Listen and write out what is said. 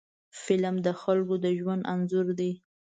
فلم د خلکو د ژوند انځور دی